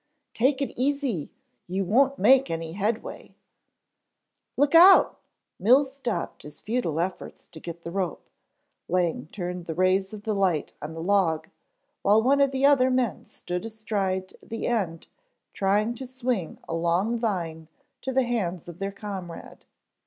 "Take it easy, you won't make any headway." "Look out " Mills stopped his futile efforts to get the rope, Lang turned the rays of the light on the log, while one of the other men stood astride the end trying to swing a long vine to the hands of their comrade.